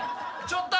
ちょっと！